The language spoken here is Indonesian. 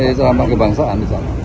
ngasih ceramah kebangsaan di sana